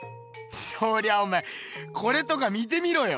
そりゃおめえこれとか見てみろよ。